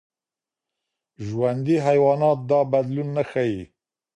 ژوندي حیوانات دا بدلون نه ښيي.